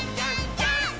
ジャンプ！！